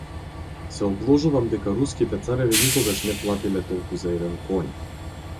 Се обложувам дека Руските цареви никогаш не платиле толку за еден коњ.